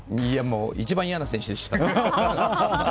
一番嫌な選手でした。